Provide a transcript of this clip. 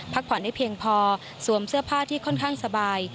ผ่อนได้เพียงพอสวมเสื้อผ้าที่ค่อนข้างสบาย